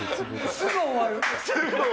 すぐ終わる。